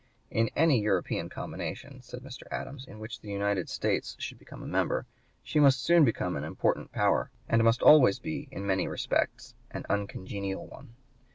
In any European combinations, said Mr. Adams, in which the United States should become a member, she must soon become an important power, and must always be, in many respects, an uncongenial one.